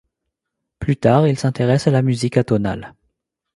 Plus tard, il s'intéresse à la musique atonale.